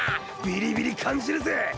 ビリビリ感じるぜ！